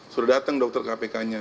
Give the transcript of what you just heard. sudah datang dokter kpk nya